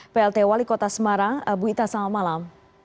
plt wali kota semarang bu ita selamat malam